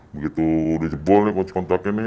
begitu udah jebol nih kunci kontak ini